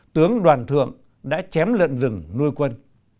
tướng đoàn thượng đã chém lợn rừng nuôi quân